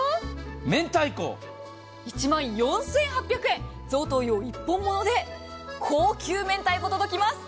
めんたいこ、１万４８００円贈答用一本もので高級明太子が届きます。